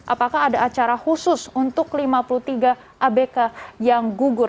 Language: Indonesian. apakah ada acara khusus untuk lima puluh tiga abk yang gugur